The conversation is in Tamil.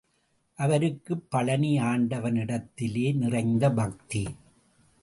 அவருக்குப் பழநி ஆண்டவனிடத்திலே நிறைந்த பக்தி.